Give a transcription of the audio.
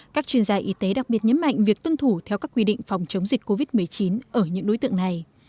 các chuyên gia y tế đặc biệt nhấn mạnh việc tuân thủ theo các quy định phòng chống dịch covid một mươi chín ở những đối tượng này